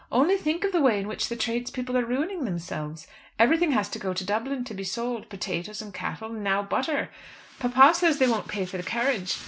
Only think of the way in which the tradespeople are ruining themselves. Everything has to go to Dublin to be sold: potatoes and cattle, and now butter. Papa says that they won't pay for the carriage.